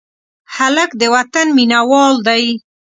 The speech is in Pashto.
هلک د وطن مینه وال دی.